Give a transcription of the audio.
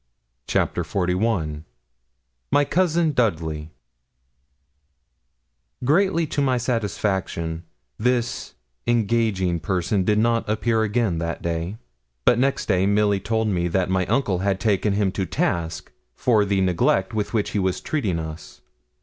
CHAPTER XLI MY COUSIN DUDLEY Greatly to my satisfaction, this engaging person did not appear again that day. But next day Milly told me that my uncle had taken him to task for the neglect with which he was treating us.